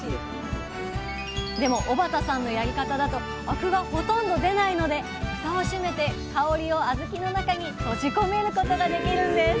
でも小幡さんのやり方だとアクがほとんど出ないのでフタを閉めて香りを小豆の中に閉じ込めることができるんです！